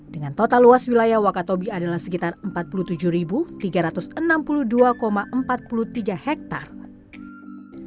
dengan total luas wilayah wakatobi adalah sekitar empat puluh tujuh tiga ratus enam puluh dua empat puluh tiga hektare